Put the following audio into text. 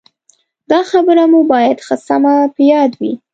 دا خبره مو باید ښه سمه په یاد وي.